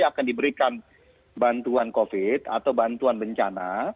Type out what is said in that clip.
akan diberikan bantuan covid atau bantuan bencana